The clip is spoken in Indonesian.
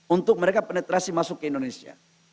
untuk mereka penetrasi masuk ke indonesia